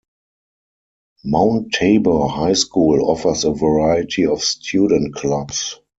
Mount Tabor High School offers a variety of student clubs.